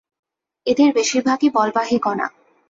এদের বেশির ভাগই বলবাহী কণা।